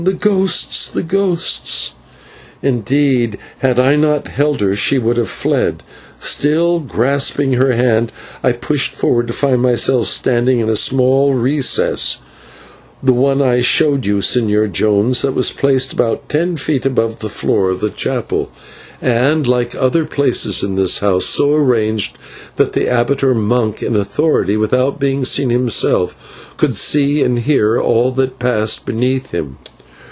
the ghosts! the ghosts!" Indeed, had I not held her she would have fled. Still grasping her hand, I pushed forward to find myself standing in a small recess the one I showed you, Señor Jones that was placed about ten feet above the floor of the chapel, and, like other places in this house, so arranged that the abbot or monk in authority, without being seen himself, could see and hear all that passed beneath him.